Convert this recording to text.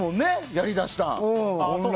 やりだしたのを。